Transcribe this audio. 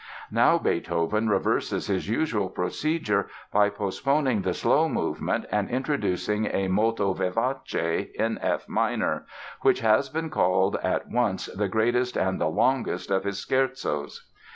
Now Beethoven reverses his usual procedure by postponing the slow movement and introducing a "Molto vivace" (in F minor), which has been called at once the greatest and the longest of his scherzos.